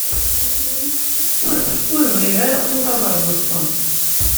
Ur bɣiɣ ara ad tuɣaleḍ ar Boston.